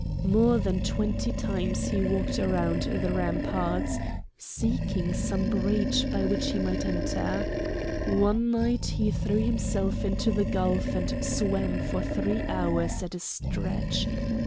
More than twenty times he walked round the ramparts, seeking some breach by which he might enter. One night he threw himself into the gulf and swam for three hours at a stretch.